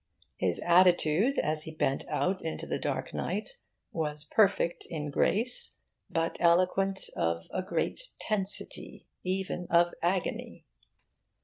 His attitude, as he bent out into the dark night, was perfect in grace, but eloquent of a great tensity even of agony.